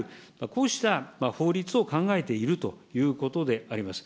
こうした法律を考えているということであります。